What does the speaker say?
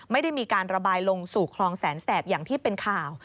ไม่ได้มีการระบายลงสู่คลองแสนแสบอย่างที่เป็นข่าว